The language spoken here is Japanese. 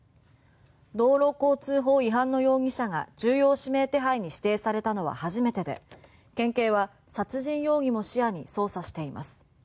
道路交通法違反の容疑者が重要指名手配に指定されたのは初めてで県警は殺人容疑も視野に捜査しています。